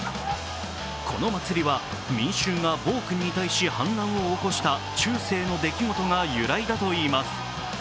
この祭りは民衆が暴君に対し反乱を起こした中世の出来事が由来だといいます。